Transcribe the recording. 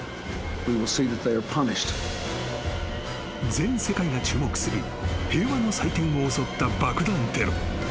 ［全世界が注目する平和の祭典を襲った爆弾テロ］